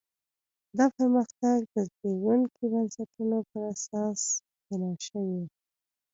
دا پرمختګ د زبېښونکو بنسټونو پر اساس بنا شوی و.